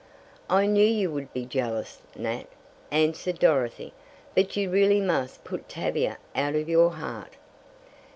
"I knew you would be jealous, Nat," answered Dorothy. "But you really must put Tavia out of your heart."